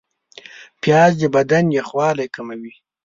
پیاز د بدن یخوالی کموي